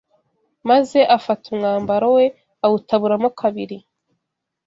Maze afata umwambaro, we awutaburamo kabiri.